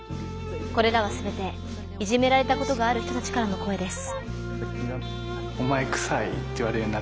これらはすべていじめられたことがある人たちからの声です。